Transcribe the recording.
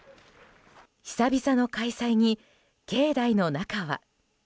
久々の開催に境内の中は。